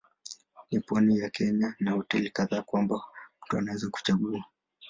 Ni pwani ya Kenya na hoteli kadhaa kwamba mtu anaweza kuchagua.